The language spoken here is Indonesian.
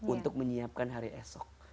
untuk menyiapkan hari esok